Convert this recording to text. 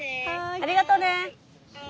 ありがとうね。